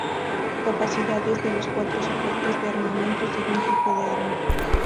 Capacidades de los cuatro soportes de armamento según tipo de arma.